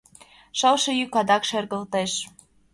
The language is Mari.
Шылше йӱк адак шергылтеш: